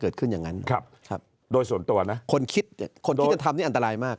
เกิดขึ้นอย่างนั้นโดยส่วนตัวนะคนคิดคนคิดจะทำนี่อันตรายมาก